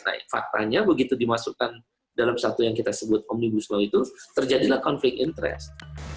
nah faktanya begitu dimasukkan dalam satu yang kita sebut omnibus law itu terjadilah konflik interest